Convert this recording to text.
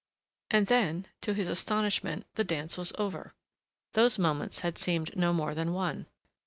And then, to his astonishment, the dance was over. Those moments had seemed no more than one.